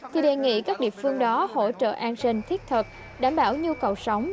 thì đề nghị các địa phương đó hỗ trợ an sinh thiết thực đảm bảo nhu cầu sống